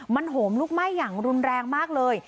มันโหมลุกไหม้อย่างรุนแรงมากเลย